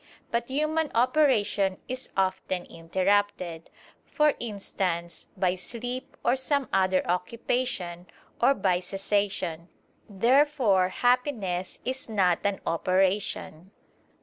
But human operation is often interrupted; for instance, by sleep, or some other occupation, or by cessation. Therefore happiness is not an operation.